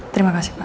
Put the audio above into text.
terima kasih pak